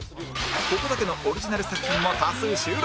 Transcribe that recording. ここだけのオリジナル作品も多数収録！